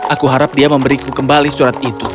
aku harap dia memberiku kembali surat itu